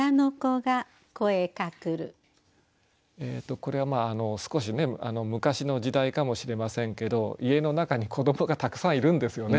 これは少し昔の時代かもしれませんけど家の中に子どもがたくさんいるんですよね。